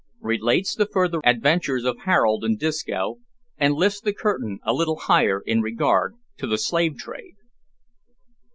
RELATES THE FURTHER ADVENTURES OF HAROLD AND DISCO, AND LIFTS THE CURTAIN A LITTLE HIGHER IN REGARD TO THE SLAVE TRADE.